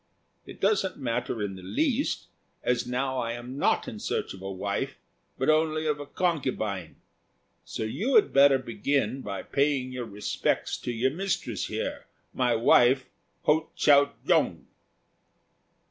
It doesn't matter in the least, as now I am not in search of a wife but only of a concubine. So you had better begin by paying your respects to your mistress here, my wife Ho Chao jung."